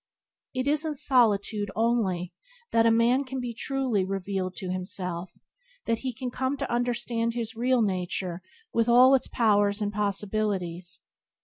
It is in solitude only that a man can be truly revealed to himself, that he can come to understand his real nature, with all its powers and possibilities.